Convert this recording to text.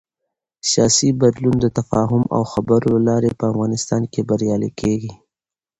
سیاسي بدلون د تفاهم او خبرو له لارې په افغانستان کې بریالی کېږي